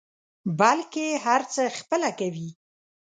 بلکې هر څه خپله کوي.